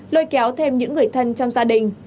lôi kéo thêm những người thân trong gia đình